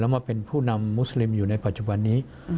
มาเป็นผู้นำมุสลิมอยู่ในปัจจุบันนี้